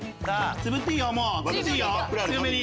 つぶっていいよ強めに。